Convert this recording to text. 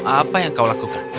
apa yang kau lakukan